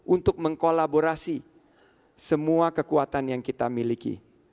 untuk mengkolaborasi semua kekuatan yang kita miliki